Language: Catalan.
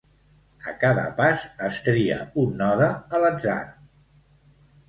A cada pas es tria un node a l'atzar.